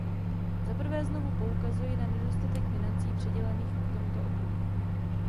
Zaprvé znovu poukazuji na nedostatek financí přidělených tomuto okruhu.